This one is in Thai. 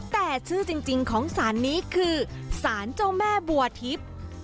แต่ชื่อจริงของสารนี้คือสารเจ้าแม่บัวทิพย์